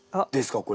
これ。